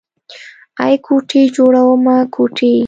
ای کوټې جوړومه کوټې.